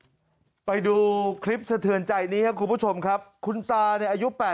กินไปดูคลิปสะเทือนใจนี้แห้งกูผู้ชมครับคุณตาในอายุ